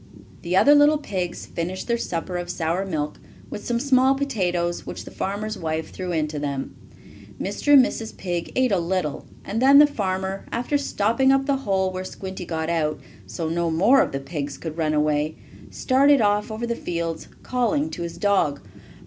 The other little pigs finished their supper of sour milk, with some small potatoes which the farmer's wife threw in to them. Mr. and Mrs. Pig ate a little, and then the farmer, after stopping up the hole where Squinty got out, so no more of the pigs could run away, started off over the fields, calling to his dog.